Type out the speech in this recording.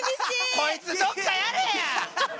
こいつどっかやれや！